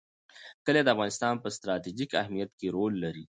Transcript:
کلي د افغانستان په ستراتیژیک اهمیت کې رول لري.